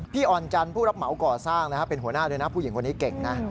อ่อนจันทร์ผู้รับเหมาก่อสร้างเป็นหัวหน้าด้วยนะผู้หญิงคนนี้เก่งนะ